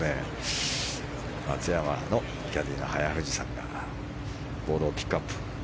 松山のキャディーの早藤さんがボールをピックアップ。